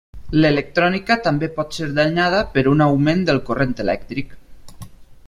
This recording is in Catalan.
L'electrònica també pot ser danyada per un augment del corrent elèctric.